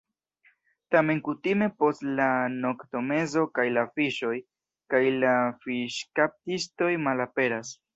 Tamen kutime post la noktomezo kaj la fiŝoj, kaj la fiŝkaptistoj malaperas.